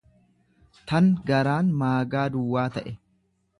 tan garaan maagaa duwwaa ta'e.